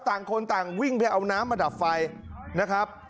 ต่างคนต่างวิ่งไปเอาน้ำมาดับไฟนะครับ